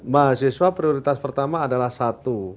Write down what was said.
mahasiswa prioritas pertama adalah satu